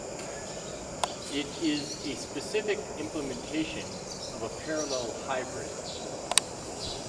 It is a specific implementation of a parallel hybrid.